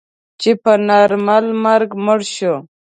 چې په نارمل مرګ مړ شو.